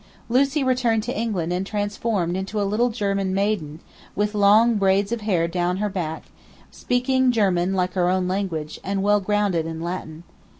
Lucie returned to England transformed into a little German maiden, with long braids of hair down her back, speaking German like her own language, and well grounded in Latin.